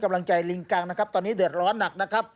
กำลังใจลิงกังนะครับตอนนี้เดือดร้อนหนักนะครับ